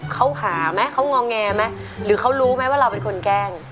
เขาขาไหมเขางอแงไหมหรือเขารู้ไหมว่าเราเป็นคนแกล้ง